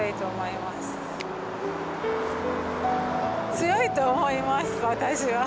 強いと思います私は。